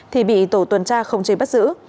thì bị tổ tuần tra không chế bắt giữ